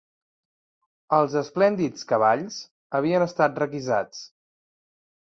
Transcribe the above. Els esplèndids cavalls havien estat requisats